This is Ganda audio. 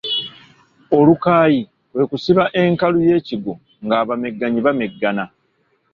Olukaayi kwe kusiba enkalu y’ekigwo ng’abamegganyi bameggana.